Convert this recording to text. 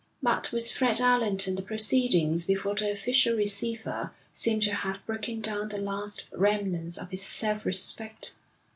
But with Fred Allerton the proceedings before the Official Receiver seem to have broken down the last remnants of his self respect.